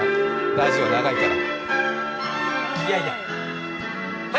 ラジオ長いから。